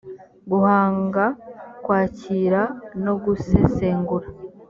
guhanga kwakira no gusesengura